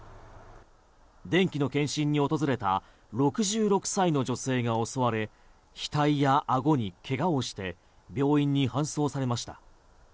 電気の検針に訪れた６６歳の女性が襲われ額やあごに怪我をして病院に搬送されました。